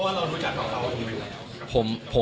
เพราะเรารู้จักกับเขาอยู่